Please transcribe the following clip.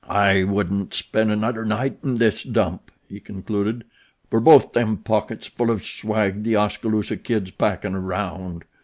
"I wouldn't spend anudder night in this dump," he concluded, "for both them pockets full of swag The Oskaloosa Kid's packin' around."